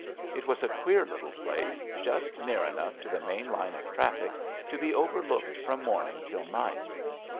It was a qu6er little place, just near enough to the main line of traffic to be overlooked from morning till night.